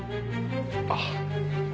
あっ。